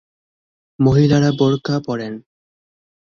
মহিলারা বোরকা পরেন।